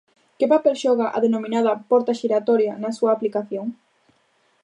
Que papel xoga a denominada 'porta xiratoria' na súa aplicación?